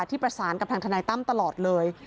ที่ประสานกับทางทนายตั้มตลอดเลย